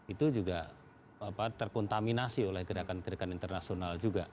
itu juga terkontaminasi oleh gerakan gerakan internasional juga